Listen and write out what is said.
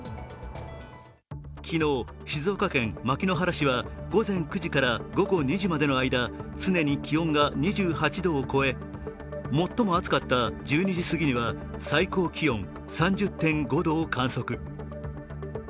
昨日、静岡県牧之原市は午前９時から午後２時までの間、常に気温が２８度を超え、最も暑かった１２時すぎには最高気温３０．５度を観測。